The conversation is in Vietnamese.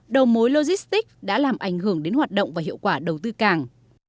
đầu mối logistics đã làm ảnh hưởng đến hoạt động và hiệu quả đầu tư cảng